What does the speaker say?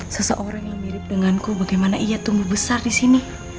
seseorang yang mirip denganku bagaimana ia tumbuh besar disini